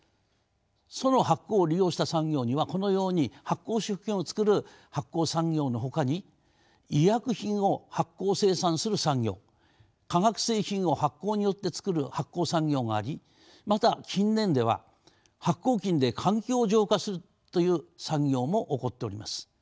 その発酵を利用した産業にはこのように発酵食品をつくる発酵産業のほかに医薬品を発酵生産する産業化学製品を発酵によってつくる発酵産業がありまた近年では発酵菌で環境を浄化するという産業も興っております。